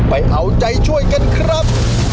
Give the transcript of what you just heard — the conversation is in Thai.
ไปเอาใจช่วยกันครับ